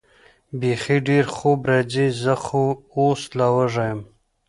بېخي ډېر خوب راځي، زه خو اوس لا وږی یم.